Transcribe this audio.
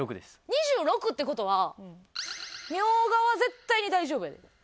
２６って事は「みょうが」は絶対に大丈夫やで。